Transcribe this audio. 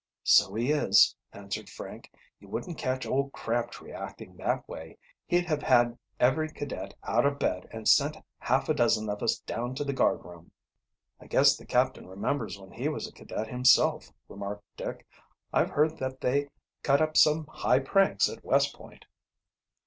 "So he is," answered Frank. "You wouldn't catch old Crabtree acting that way. He'd have bad every cadet out of bed and sent half a dozen of us down to the guard room." "I guess the captain remembers when he was a cadet himself," remarked Dick. "I've heard that they cut up some high pranks at West Point."